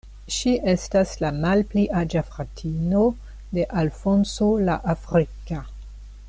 Ŝi estas la malpli aĝa fratino de Alfonso la Afrika.